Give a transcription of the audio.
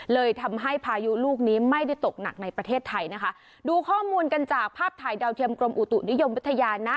เลยทำให้พายุลูกนี้ไม่ได้ตกหนักในประเทศไทยนะคะดูข้อมูลกันจากภาพถ่ายดาวเทียมกรมอุตุนิยมวิทยานะ